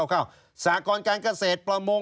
ชีวิตกระมวลวิสิทธิ์สุภาณฑ์